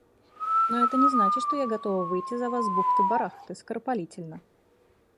Но это не значит, что я готова выйти за Вас с бухты-барахты, скоропалительно.